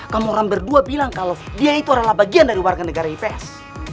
kamu orang berdua bilang kalau dia itu adalah bagian dari warga negara ufs